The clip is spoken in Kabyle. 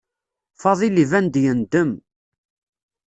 Fadil iban-d yendem.